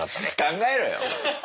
考えろよ！